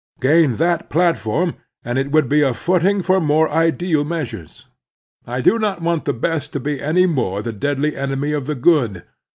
Gain that platform, and it would be a footing for more ideal measures. I do not want the best to be any more the deadly enemy of the good.